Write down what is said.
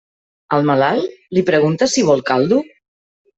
Al malalt li preguntes si vol caldo?